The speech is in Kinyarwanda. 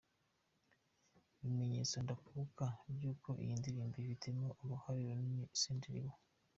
ibimenyetso ndakuka byuko iyi ndirimbo ayifitemo uruhare runini Senderi we.